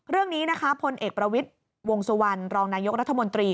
เรื่องนี้นะคะพลเอกประวิทย์วงสุวรรณรองนายกรัฐมนตรี